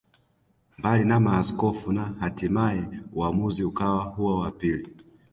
Mbali na maaskofu na hatimae uamuzi ukawa huo wa pili